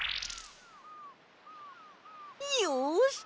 よし！